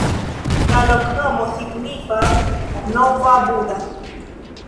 La loknomo signifas: nova-Buda.